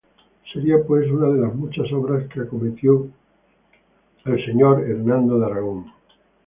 Sería pues, una de las muchas obras que acometió el arzobispo Hernando de Aragón.